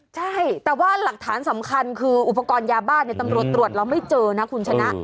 ใช่แต่ว่าหลักฐานสำคัญคืออุปกรณ์ยาบ้านตำรวจตรวจแล้วไม่เจอนะคุณชนะ